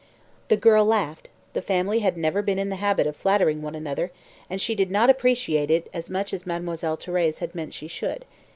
The girl laughed; the family had never been in the habit of flattering one another, and she did not appreciate it as much as Mademoiselle Thérèse had meant she should.